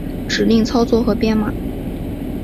指令操作和编码